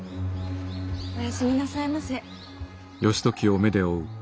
おやすみなさいませ。